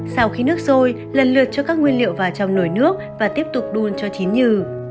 sau khi nước sôi lần lượt cho các nguyên liệu vào trong nồi nước và tiếp tục đun cho chín nhừ